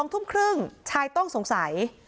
๒ทุ่มครึ่งชายต้องสงสัย